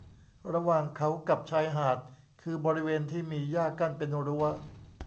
ระหว่างเขากับชายหาดคือบริเวณที่มีหญ้ากั้นเป็นรั้ว